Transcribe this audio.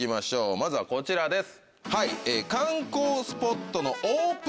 まずはこちらです。